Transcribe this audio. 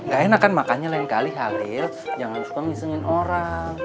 gak enak kan makanya lain kali halil jangan suka ngesenin orang